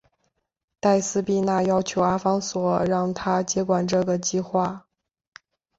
黛丝碧娜要求阿方索让她接管这个计画。